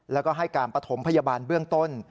แล้วก็ให้การปฐมพยาบาลเบื้องต้น